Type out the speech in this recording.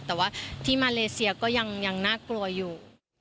แต่ว่าที่มาเลเซียก็ยังน่ากลัวอยู่